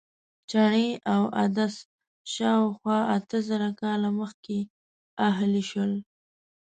چڼې او عدس شاوخوا اته زره کاله مخکې اهلي شول.